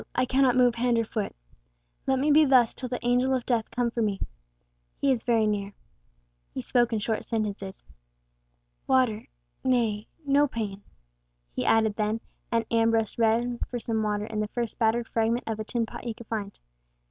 I cannot move hand or foot. Let me be thus till the Angel of Death come for me. He is very near." He spoke in short sentences. "Water—nay—no pain," he added then, and Ambrose ran for some water in the first battered fragment of a tin pot he could find.